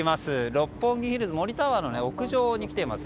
六本木ヒルズ森タワーの屋上に来ています。